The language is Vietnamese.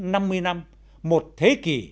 năm mươi năm một thế kỷ